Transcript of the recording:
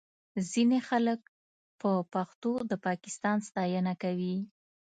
ځینې خلک په پښتو د پاکستان ستاینه کوي